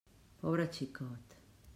Pobre xicot!